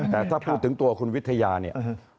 แต่ถ้าพูดถึงตัวคุณวิทยาเนี่ย